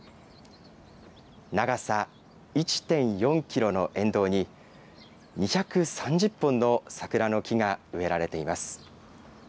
長さ１．４キロの沿道に、２３０本の桜の木が植えられています。